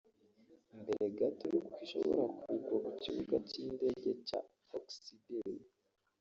mbere gato yuko ishobora kugwa ku kibuga cy’indege cya Oksibil